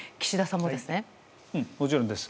はい、もちろんです。